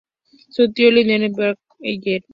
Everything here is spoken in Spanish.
Su tío Lionel Newman compuso "Hello, Dolly!